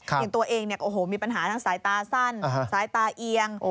อย่างตัวเองมีปัญหาทั้งสายตาสั้นสายตาเอียง